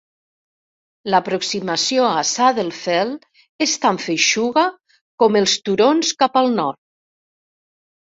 L'aproximació a Saddle Fell és tan feixuga com els turons cap al nord.